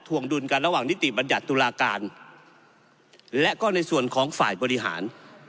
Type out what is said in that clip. วงดุลกันระหว่างนิติบัญญัติตุลาการและก็ในส่วนของฝ่ายบริหาร